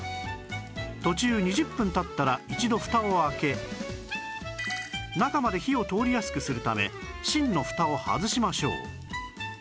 途中２０分経ったら一度フタを開け中まで火を通りやすくするため芯のフタを外しましょう